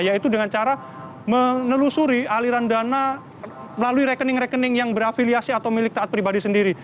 yaitu dengan cara menelusuri aliran dana melalui rekening rekening yang berafiliasi atau milik taat pribadi sendiri